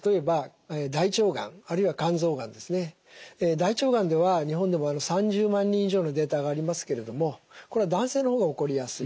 大腸がんでは日本でも３０万人以上のデータがありますけれどもこれは男性の方が起こりやすい。